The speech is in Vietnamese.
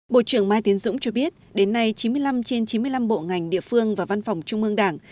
bộ trưởng mai tiến dũng cho biết đến nay chín mươi năm trên chín mươi năm bộ ngành địa phương và văn phòng trung ương đảng